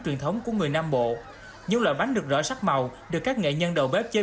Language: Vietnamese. truyền thống của người nam bộ những loại bánh được rõ sắc màu được các nghệ nhân đầu bếp chế